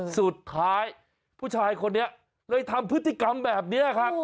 สุดท้ายผู้ชายคนนี้เลยทำพฤติกรรมแบบนี้ครับ